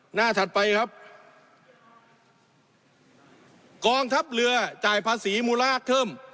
ถัดไปครับกองทัพเรือจ่ายภาษีมูลค่าเพิ่ม